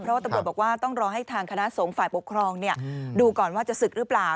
เพราะว่าตำรวจบอกว่าต้องรอให้ทางคณะสงฆ์ฝ่ายปกครองดูก่อนว่าจะศึกหรือเปล่า